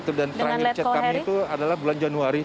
terakhir chat kami itu adalah bulan januari